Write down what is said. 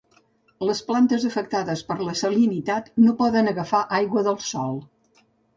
Les plantes afectades per la salinitat no poden agafar aigua del sòl.